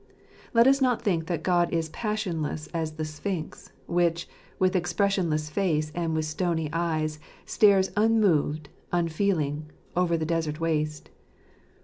Let us not think that God is passionless as the sphinx, which, with expressionless face and with stony eyes, stares unmoved, unfeeling, over the desert waste.